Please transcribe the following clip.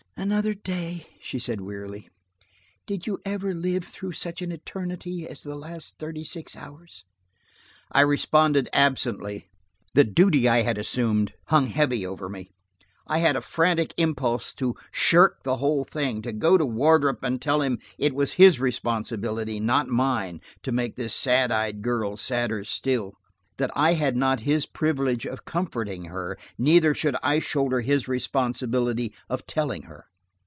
"Another day!" she said wearily. "Did you ever live through such an eternity as the last thirty six hours?" I responded absently; the duty I had assumed hung heavy over me. I had a frantic impulse to shirk the whole thing: to go to Wardrop and tell him it was his responsibility, not mine, to make this sad eyed girl sadder still. That as I had not his privilege of comforting her, neither should I shoulder his responsibility of telling her.